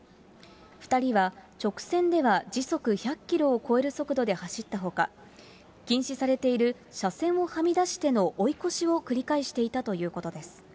２人は直線では時速１００キロを超える速度で走ったほか、禁止されている車線をはみ出しての追い越しを繰り返していたということです。